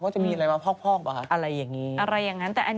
เดินงูกัดเนาะ